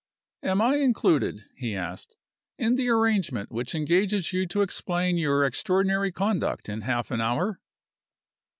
"Am I included," he asked, "in the arrangement which engages you to explain your extraordinary conduct in half an hour?"